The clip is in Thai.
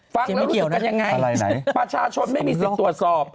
ฟักแล้วรู้สึกกันยังไงประชาชนไม่มีสิทธิ์ตรวจสอบ